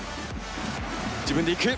自分でいく！